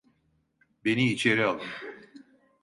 Beni içeri alın!